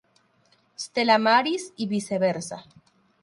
Stella Maris y viceversa.